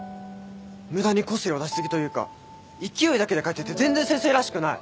無駄に個性を出し過ぎというか勢いだけで書いてて全然先生らしくない！